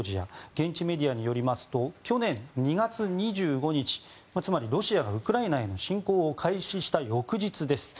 現地メディアによりますと去年２月２５日つまりロシアがウクライナへの侵攻を開始した翌日です。